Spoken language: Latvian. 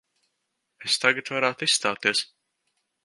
Es tagad varētu izstāties.